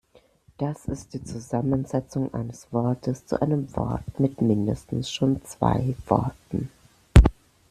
Das ist die Zusammensetzung eines Wortes zu einem Wort mit mindestens schon zwei Worten.